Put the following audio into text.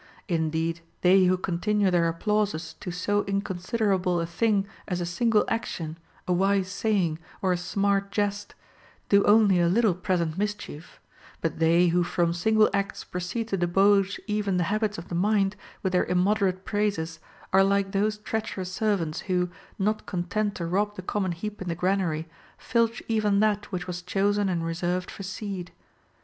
Indeed they who continue their applauses to so inconsiderable a thing as a single action, a wise saying, or a smart jest, do only a little present mischief; but they who from single acts proceed to debauch even the habits of the mind with their immoderate praises are like those treacherous servants who, not content to rob the common heap in the granary, filch even that which was chosen and reserved for seed.